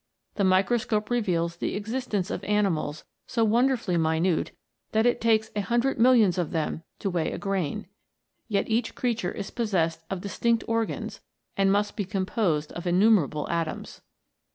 The microscope reveals the existence of animals so wonderfully minute that it takes a hundred millions of them to weigh a grain, yet each creature is possessed of distinct organs, and must be composed of innumerable atoms.